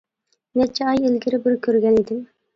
نەچچە ئاي ئىلگىرى بىر كۆرگەن ئىدىم.